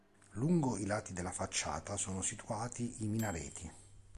Lungo i lati della facciata sono situati i minareti.